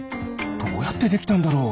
どうやってできたんだろう？